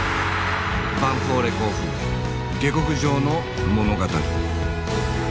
ヴァンフォーレ甲府下克上の物語。